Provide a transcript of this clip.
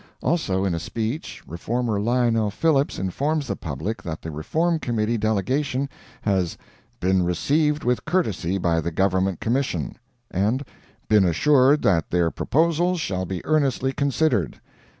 Also, in a speech, Reformer Lionel Phillips informs the public that the Reform Committee Delegation has "been received with courtesy by the Government Commission," and "been assured that their proposals shall be earnestly considered."